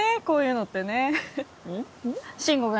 こういうのってねうん？